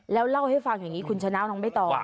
แล้วเล่าให้ฟังอย่างนี้คุณชนะน้องใบตอง